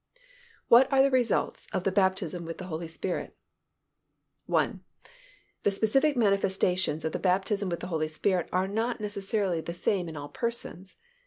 WHAT ARE THE RESULTS OF THE BAPTISM WITH THE HOLY SPIRIT? 1. _The specific manifestations of the baptism with the Holy Spirit are not precisely the same in all persons.